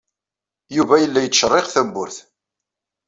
Yuba yella yettcerriq tawwurt.